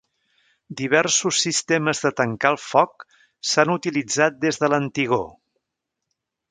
Diversos sistemes de tancar el foc s'han utilitzat des de l'antigor.